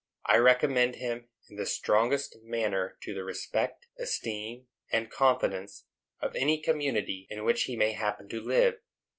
I recommend him in the strongest manner to the respect, esteem and confidence, of any community in which he may happen to live.